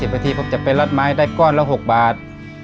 ผมจะเป็นรัฐไม้ได้ก้อนละ๖บาท